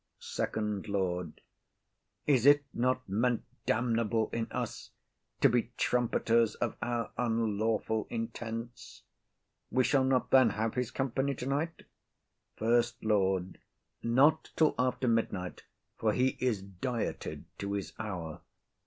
FIRST LORD. Is it not meant damnable in us to be trumpeters of our unlawful intents? We shall not then have his company tonight? SECOND LORD. Not till after midnight; for he is dieted to his hour.